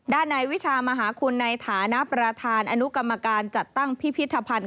ด้านในวิชามหาคุณในฐานะประธานอนุกรรมการจัดตั้งพิพิธภัณฑ์